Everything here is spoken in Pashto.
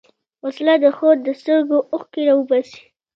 وسله د خور د سترګو اوښکې راوباسي